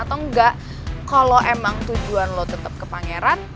atau enggak kalo emang tujuan lo tetep ke pangeran